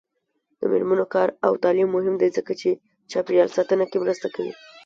د میرمنو کار او تعلیم مهم دی ځکه چې چاپیریال ساتنه کې مرسته کوي.